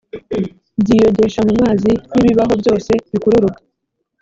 byiyogesha mu mazi n ibibaho byose bikururuka